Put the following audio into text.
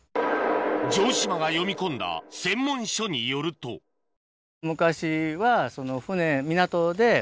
城島が読み込んだ専門書によると昔は。